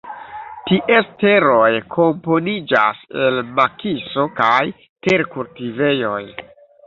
Ties teroj komponiĝas el makiso kaj terkultivejoj.